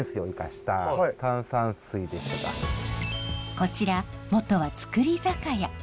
こちら元は造り酒屋。